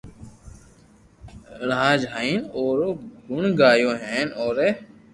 راھ جالين او رو گڻگايو ھين او ري